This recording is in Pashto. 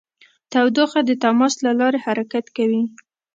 تودوخه د تماس له لارې حرکت کوي.